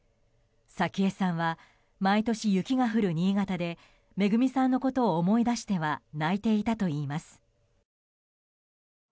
早紀江さんは毎年、雪が降る新潟でめぐみさんのことを思い出しては泣いていたといいます。